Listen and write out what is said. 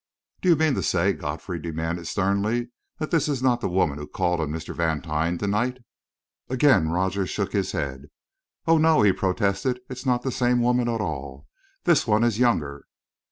"Do you mean to say," Godfrey demanded sternly, "that that is not the woman who called on Mr. Vantine to night?" Again Rogers shook his head. "Oh, no," he protested; "it's not the same woman at all. This one is younger."